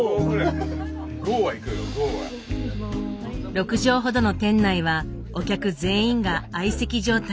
６畳ほどの店内はお客全員が相席状態。